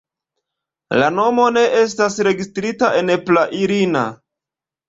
La nomo ne estas registrita en pra-irana.